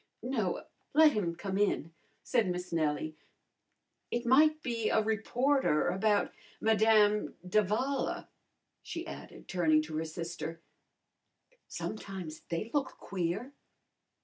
"No, let him come in," said Miss Nellie. "It might be a reporter about Madame d'Avala," she added, turning to her sister. "Sometimes they look queer."